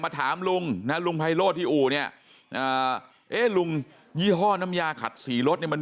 ถามลุงนะลุงไพโรธที่อู่เนี่ยเอ๊ะลุงยี่ห้อน้ำยาขัดสีรถเนี่ยมัน